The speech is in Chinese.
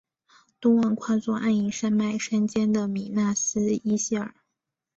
东望跨坐黯影山脉山肩的米那斯伊希尔。